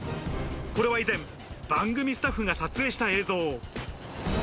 これは以前、番組スタッフが撮影した映像。